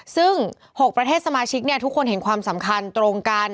ซึ่ง๖ประเทศสมาชิกทุกคนเห็นความสำคัญตรงกัน